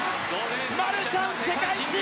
マルシャン、世界新！